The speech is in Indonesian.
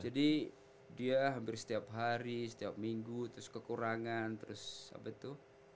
jadi dia hampir setiap hari setiap minggu terus kekurangan terus apa itu